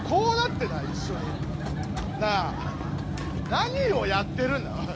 何をやってるんだおい